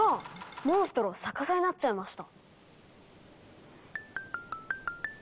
モンストロ逆さになっちゃいました。